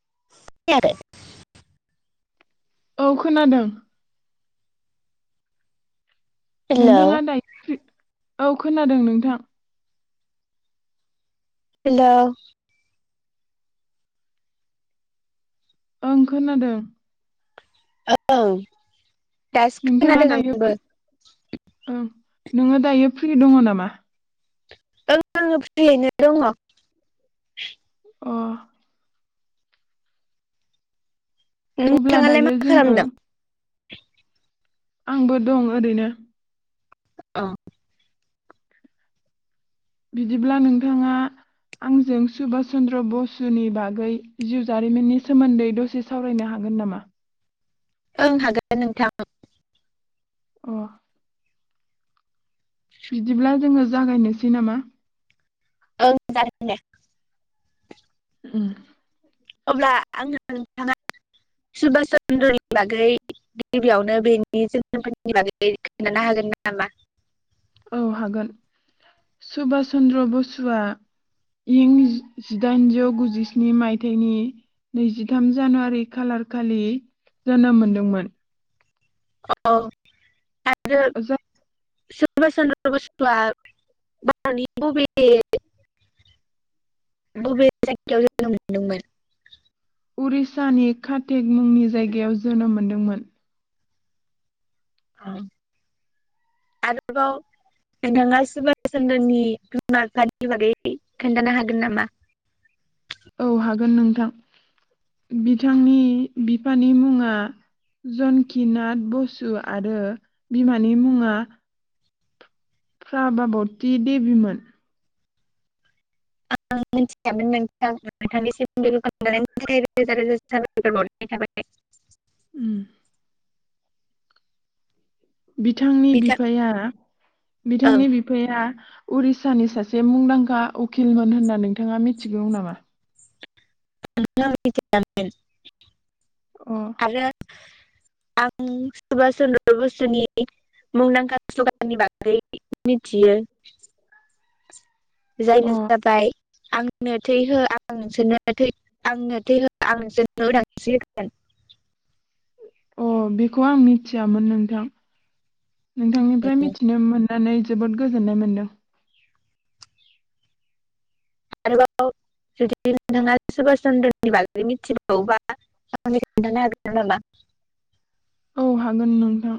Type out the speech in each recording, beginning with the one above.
[unintelligible] औ खोनादों। हेल' नोंथाङा दायो फि औ खोनादों नोंथां हेलव? ओं खोनादों। ओं। दासो नोंथाङा खोनादों दायो आंबो फ्रि ओं नोङो दायो फ्रि दङ नामा? ओ फ्रियैनो दङ। अ अब्ला नोंथाङालाय मा दायो जोङो खालामदों आंबो दं ओरैनो औ बिदिब्ला नोंथाङा आंजों सुबभास चन्द्र बसुनि बागै जिउ जारिमिननि सोमोन्दै दसे सावरायनो हागोन नामा ओं हागोन नोंथां अह। बिदिब्ला जोङो जागायनोसै नामा औ जागोन दे उम अब्ला आङो नोंथाङा सुभाास चन्द्रनि बागै गिबियावनो बेनि जोनोमफोरनि बागै खोनथानो हागोन नामा? औ हागोन सुभास चन्द्र बसुआ इं जिदाइनजौ गुजिस्नि मायथायाइनि नैजिथाम जानुवारि खालारखालि जोनोम मोनदोंमोन। औ ज जाय सभास चन्द्र बसुआ [unintelligible] बबे बबे जायगायाव जोनोम मोनदोंमोन? उरिसानि काटेक मुंनि जायगायाव जोनोम मोनदोंमोन औ आरोबाव नोंथाङा सुबभास चन्द्रनि बिमा बिफानि बागै खोन्थानो हागोन नामा औ हागोन नोंथां बिथांनि बिफानि मुङा जनकिनाथ बसु आरो बिमानि मुङा फ्रभाबति देबिमोन। आं मिथिखामोन मोन नोंथांनिसिम रोजा रोजा साबायखर बावहरनाय थाबाय उम बिथांनि बिथां बिफाया औ बिथांनि बिफाया उरिसानि सासे मुंदांखा उकिलमोन होनना नोंथाङा मिथिगौ नामा ओमहो आं मिथियामोन अ आरो आं सुभास चन्द्र बसुनि मुंदांखा स्लगाननि बागै मिथियो। जायनो अ जाबाय आंनो थै हो आं नोंसोरनो आंनो थैह आं नोंसोरनो उदांस्रि होगोन अ बेखौ आं मिथियामोन नोंथां नोंथांनिफ्राय मिथिनो मोन नानै जोबोद गोजोननाय मोनदों आरोबाव जुदि नोंथाङा सुभास चन्द्रनि बागै मिथिबावोबा आंनो खोन्थानो हागोन नामा? औ हागोन नोंथां।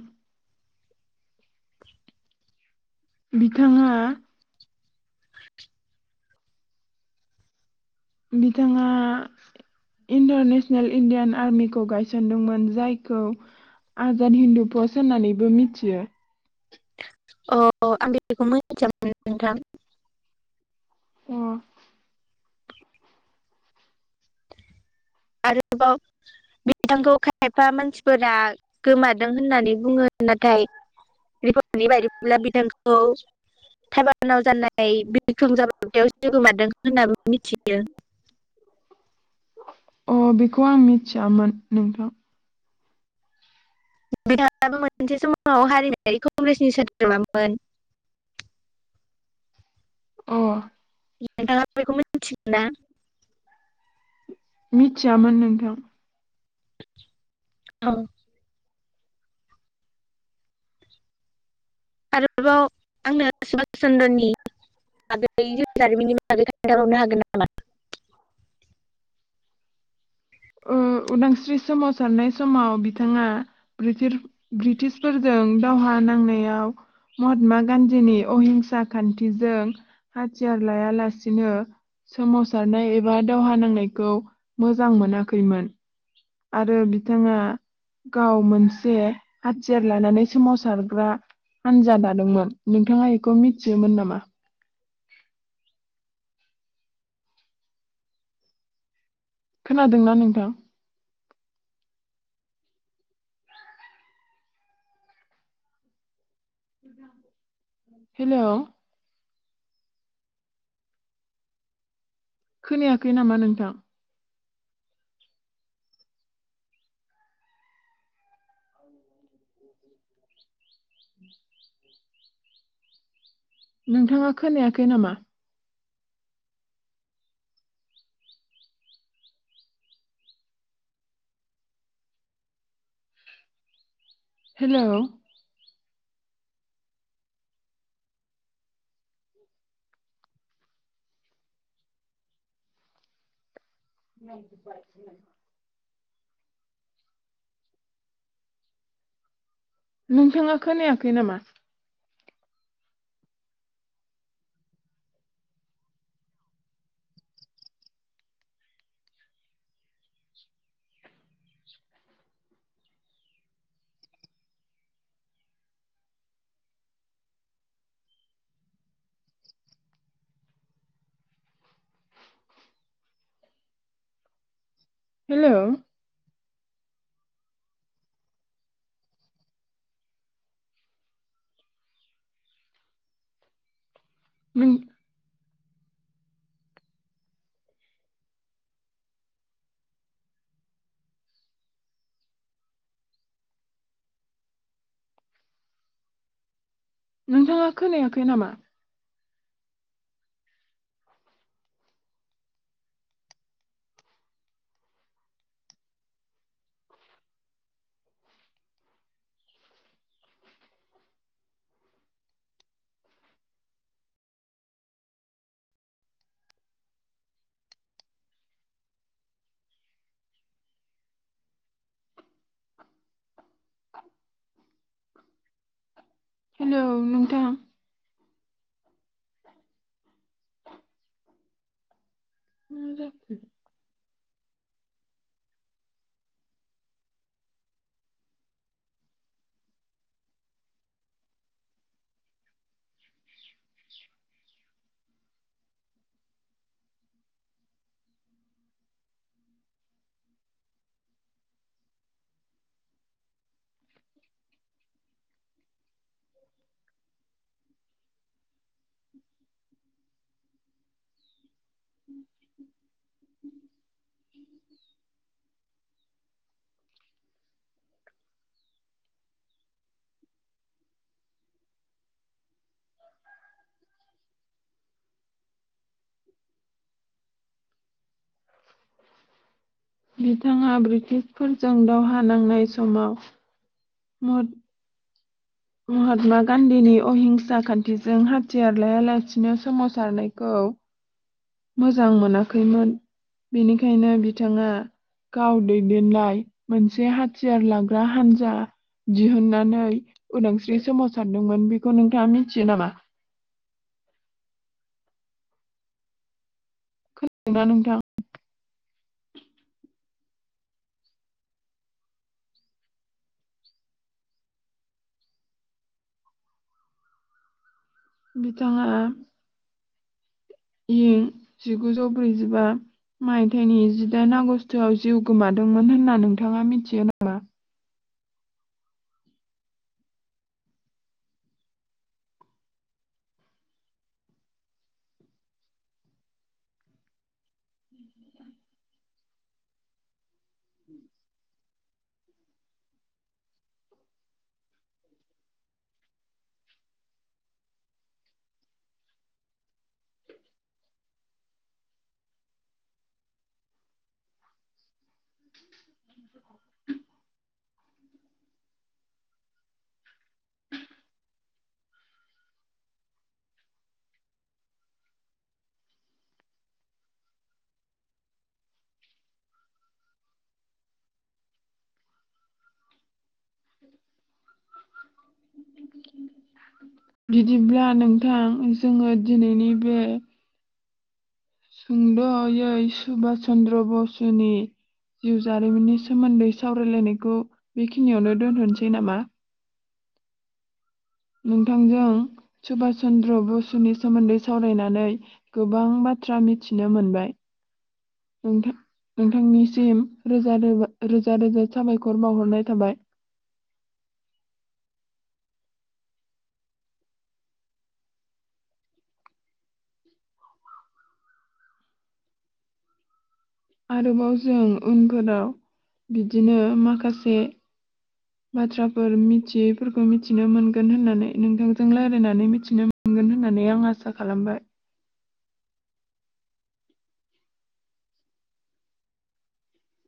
बिथाङा बिथाङा इन्टारनेसनेल इण्डियान आर्मिखौ गायसनदोंमोन जायखौ आजाद हिन्दु फौज होननानैबो मिथियो। अ आं बेखौ मोनथियामोन नोंथां। अ आरोबाव बिथांखौ खायफा मानसिफोरा गोमादों होननानै बुङो नाथाय रिपर्टनि बायदिब्ला बिथांखौ थाबानाव जानाय बिख्रं जाब्रबथायावसो गोमादों होनना मिथियो। अ बेखौ आं मिथियामोन नोंथां। बिथाङाबो मोनसे समाव हारिमायारि कंग्रेसनि सोद्रोमामोन। अ नोंथाङा बेखौ मिथियो ना? मिथियामोन नोंथां। औ आरोबाव आंनो सुबभाष चन्द्रनि आबुं जिउ जारिमिननि बागै खोन्थानो हरनो हागोन नामा? उम उदांस्रि सोमावसारनाय समाव बिथाङा ब्रिटिर- ब्रिटिशफोरजों दावहा नांनायाव महात्मा गान्धीनि अहिंसा खान्थिजों हाथियार लायालासिनो सोमावसारनाय एबा दावहा नांनायखौ मोजां मोना खैमोन आरो बिथांङा गाव मोनसे हाथियार लानानै सोमावसारग्रा हान्जा दादोंमोन। नोंथाङा बेखौ मिथियोमोन नामा? खोनादोंना नोंथां? हेल खोनायाखै नामा नोंथां? [inaudible] नोंथाङा खोनायाखै नामा? हेलौ [unintelligible] नोंथाङा खोनायाखै नामा? हेलौ उम नोंथाङा खोनायाखै नामा? हेलौ नोंथां। मा जाखो बिथाङा ब्रिटिशफोरजों दावहा नांनाय समाव मुद महात्मा गान्धीनि अहिंसा खान्थिजों हाथियार लायालासिनो सोमावसारनायखौ मोजां मोनाखैमोन। बेनिखायनो बिथाङा गाव दैदेनलाय मोनसे हाथियार लाग्रा हानजा दिहुननानै उदांस्रि सोमावसारदोंमोन। बेखौ नोंथाङा मिथियो नामा? खोनादोंना नोंथां। बिथाङा इं जिगुजौ ब्रैजिबा मायथाइनि जिदाइन आगष्टआव जिउ गोमादोंमोन होनना नोंथाङा मिथियो नामा? [inaudible] बिदिब्ला नोंथां जोङो दिनैनि बे सुंद'यै सुबास चन्द्र बसुनि जिउ जारिमिननि सोमोन्दै सावरायलायनायखौ बेखिनियावनो दोनथ'नोसै नामा? नोंथांजों सुबास चन्द्र बसुनि सोमोन्दै सावरायनानै गोबां बाथ्रा मिथिनो मोनबाय नोंथां नोंथांनिसिम रोजा रो रोजा रोजा साबायखर बावहरनाय थाबाय। आरोबाव जों उनफोराव बिदिनो माखासे बाथ्राफोर मिथियैफोरखौ मिथिनो मोनगोन होननानै नोंथांजों रायलायनानै मिथिनो मोनगोन होननानै आं आसा खालामबाय।